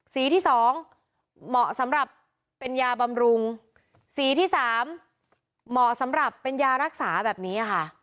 สีที่สองเหมาะสำหรับเป็นยาบำรุงสีที่สามเหมาะสำหรับเป็นยารักษาแบบนี้ค่ะ